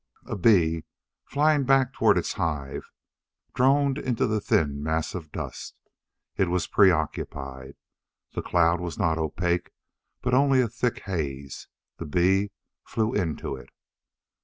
A bee, flying back toward its hive, droned into the thin mass of dust. It was preoccupied. The dust cloud was not opaque, but only a thick haze. The bee flew into it.